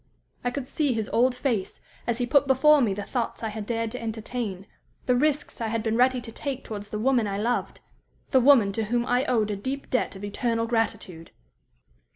I could see his old face, as he put before me the thoughts I had dared to entertain, the risks I had been ready to take towards the woman I loved the woman to whom I owed a deep debt of eternal gratitude.